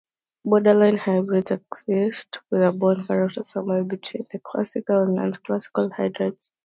Borderline hydrides exist with a bond character somewhere between the classical and non-classical hydrides.